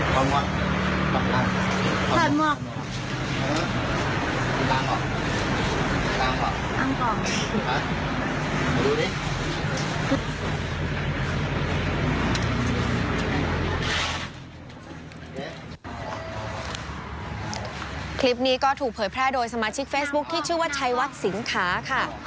คลิปนี้ก็ถูกเผยแพร่โดยสมาชิกเฟซบุ๊คที่ชื่อว่าชัยวัดสิงขาค่ะ